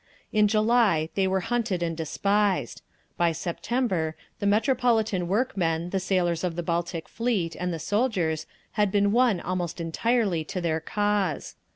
In July they were hunted and despised; by September the metropolitan workmen, the sailors of the Baltic Fleet, and the soldiers, had been won almost entirely to their cause.